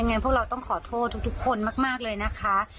งั้นพวกเราต้องขอโทษทุกคนมากเลยนะคะ